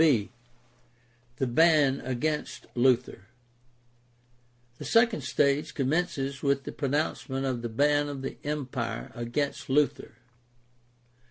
b) The ban against Luther. — The second stage commences with the pronouncement of the ban of the Empire against Luther.